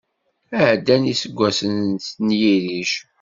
Ɛeddan yiseggasen n yirrij.